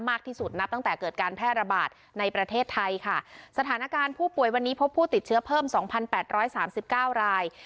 มากที่สุดนับตั้งแต่เกิดการแพร่ระบาดในประเทศไทยค่ะสถานการณ์ผู้ป่วยวันนี้พบผู้ติดเชื้อเพิ่มสองพันแปดร้อยสามสิบเก้าราย